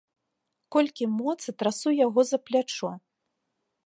Колькі моцы, трасу яго за плячо.